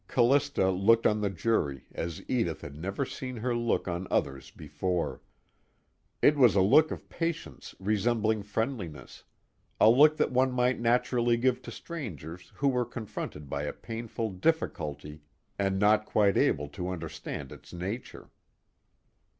Callista looked on the jury as Edith had never seen her look on others before. It was a look of patience resembling friendliness, a look that one might naturally give to strangers who were confronted by a painful difficulty and not quite able to understand its nature.